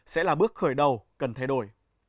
sẽ là bước khởi đầu cần thay đổi